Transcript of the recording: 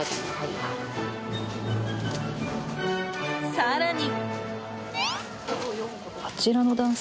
更に。